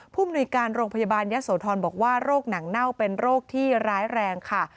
มนุยการโรงพยาบาลยะโสธรบอกว่าโรคหนังเน่าเป็นโรคที่ร้ายแรงค่ะ